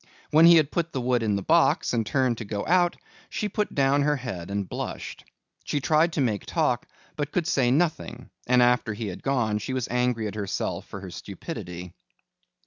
When he had put the wood in the box and turned to go out, she put down her head and blushed. She tried to make talk but could say nothing, and after he had gone she was angry at herself for her stupidity.